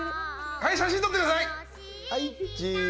はい、写真、撮ってください！